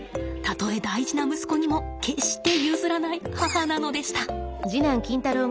たとえ大事な息子にも決して譲らない母なのでした。